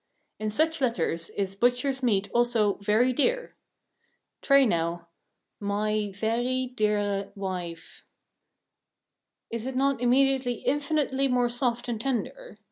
In such letters is butcher's meat also "very dear." Try now, "Migh verrie deare Wyfe." Is it not immediately infinitely more soft and tender?